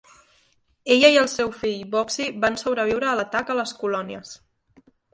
Ella i el seu fill, Boxey, van sobreviure a l'atac a les colònies.